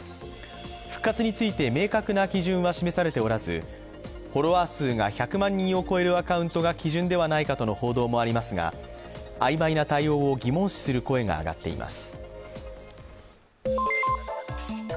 復活について明確な基準は示されておらずフォロワー数が１００万人を超えるアカウントが基準ではないかとの報道もありますがあいまいな対応を疑問視する声が上がっています。